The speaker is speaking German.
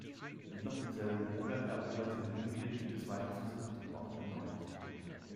Noch im selben Monat eroberte Libyen im zweiten Versuch den Ort erneut.